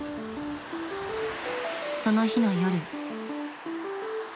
［その日の夜］